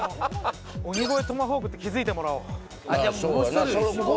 鬼越トマホークって気づいてもらおうあれ